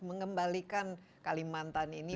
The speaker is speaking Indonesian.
mengembalikan kalimantan ini